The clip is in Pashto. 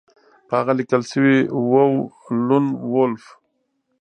په هغه لیکل شوي وو لون وولف